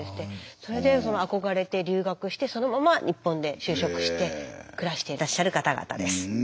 それで憧れて留学してそのまま日本で就職して暮らしてらっしゃる方々です。